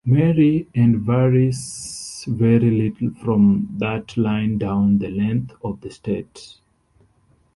Marie, and varies very little from that line down the length of the state.